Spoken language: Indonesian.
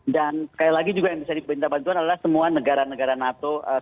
dan sekali lagi juga yang bisa diperintah bantuan adalah semua negara negara nato eee